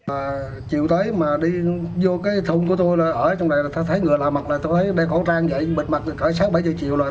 à chiều tới mà đi vô cái thùng của tôi là ở trong này là thấy ngựa làm mặt là tôi thấy đeo khẩu trang vậy bịt mặt rồi khởi sáng bảy giờ chiều rồi